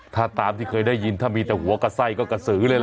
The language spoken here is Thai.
ถ้าตามที่เคยได้ยินถ้ามีแต่หัวกับไส้ก็กระสือเลยล่ะ